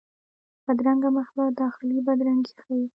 بدرنګه مخ له داخلي بدرنګي ښيي